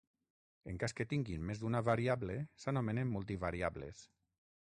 En cas que tinguin més d'una variable s'anomenen multivariables.